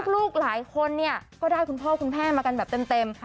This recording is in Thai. ลูกหลายคนเนี่ยก็ได้คุณพ่อคุณแม่มากันแบบเต็ม